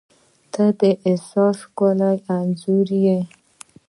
• ته د احساس ښکلی انځور یې.